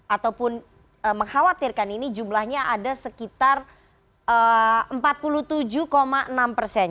ataupun mengkhawatirkan ini jumlahnya ada sekitar empat puluh tujuh enam persen